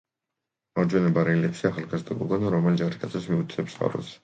მარჯვენა ბარელიეფზე ახალგაზრდა გოგონა რომაელ ჯარისკაცებს მიუთითებს წყაროზე.